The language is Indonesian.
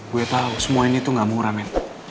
gue tau semua ini tuh gak murah men